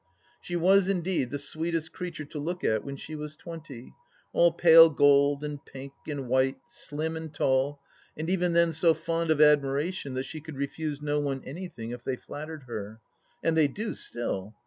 She was indeed the sweetest creature to look at when she was twenty, all pale gold and pink and white, slim and tall, and even then so fond of admiration that she could refuse no one anything if they flattered her. And they do still.